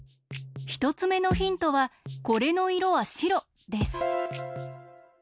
ひとつめのヒントはこれのいろはしろです。